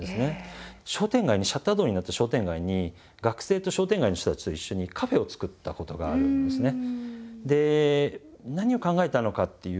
商店街にシャッター通りになった商店街に学生と商店街の人たちと一緒にカフェをつくったことがあるんですね。